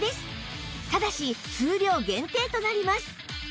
ただし数量限定となります